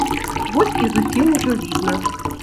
Вось і зусім ужо відна.